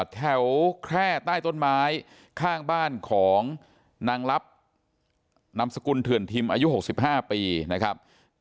แคร่ใต้ต้นไม้ข้างบ้านของนางลับนามสกุลเถื่อนทิมอายุ๖๕ปีนะครับ